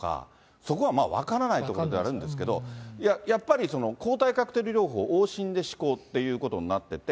そこはまあ分からないところがあるんですけど、やっぱり抗体カクテル療法、往診で試行ということになってて。